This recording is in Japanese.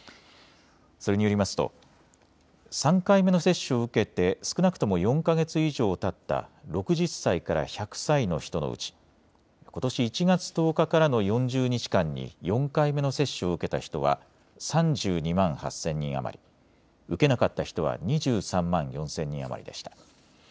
それによりますと３回目の接種を受けて少なくとも４か月以上たった６０歳から１００歳の人のうちことし１月１０日からの４０日間に４回目の接種を受けた人は３２万８０００人余り、受けなかった人は２３万４０００人余りでした。